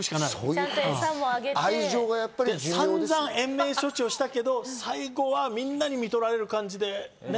さんざん延命処置をしたけど最後はみんなに看取られる感じでね。